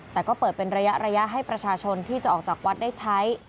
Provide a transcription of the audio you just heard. แต่ก็เปิดเป็นระยะให้ประชาชนที่จะออกจากวัดได้ใช้